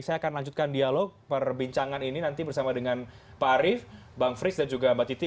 saya akan lanjutkan dialog perbincangan ini nanti bersama dengan pak arief bang frits dan juga mbak titi